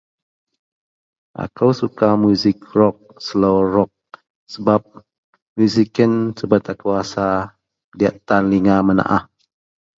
Akou suka muzik rok, selo rok sebab muzik yen subet akou rasa diyak tan linga menaah